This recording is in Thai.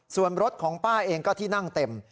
ส่วนรถของป้าเองก็ที่นั่งเต็ม